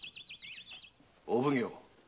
お奉行。